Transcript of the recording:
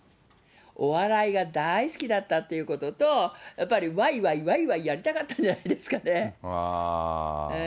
お笑いが大好きだったということと、やっぱりわいわいわいわいやりたかったんじゃないですかね。